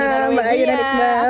sama sama mbak aini dan iqbal